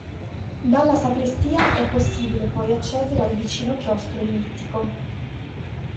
Dalla sacrestia è possibile poi accedere al vicino chiostro ellittico.